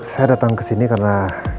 saya datang kesini karena